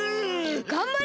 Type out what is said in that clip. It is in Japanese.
がんばれ！